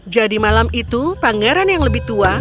jadi malam itu pangeran yang lebih tua menunggu monster